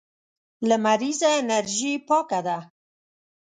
لمريزه انرژي پاکه ده.